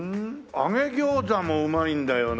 揚げ餃子もうまいんだよな。